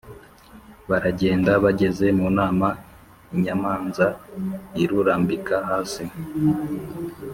baragenda bageze mu nama, inyamanza irurambika hasi,